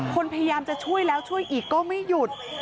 พยายามจะช่วยแล้วช่วยอีกก็ไม่หยุด